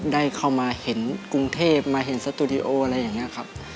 ได้เข้ามาเห็นกรุงเทพมาเห็นสตูดิโออะไรอย่างนี้ครับ